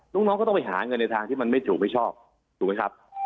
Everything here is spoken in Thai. น้องก็ต้องไปหาเงินในทางที่มันไม่ถูกไม่ชอบถูกไหมครับ